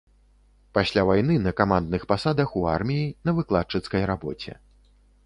Пасля вайны на камандных пасадах у арміі, на выкладчыцкай рабоце.